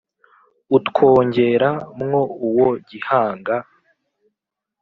utwongera mwo uwa gihanga